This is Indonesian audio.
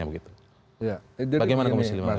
bagaimana komisi lima